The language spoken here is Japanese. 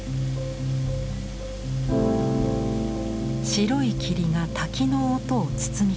白い霧が滝の音を包み込み